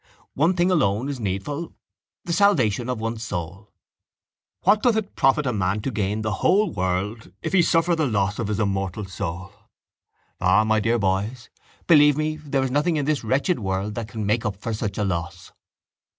One thing alone is needful, the salvation of one's soul. What doth it profit a man to gain the whole world if he suffer the loss of his immortal soul? Ah, my dear boys, believe me there is nothing in this wretched world that can make up for such a loss.